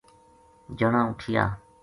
جنا اُٹھیا